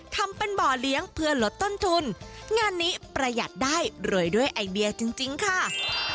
ทำเป็นบ่อเลี้ยงเพื่อลดต้นทุนงานนี้ประหยัดได้รวยด้วยไอเดียจริงจริงค่ะ